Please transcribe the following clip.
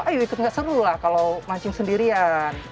ayo ikut gak seru lah kalau mancing sendirian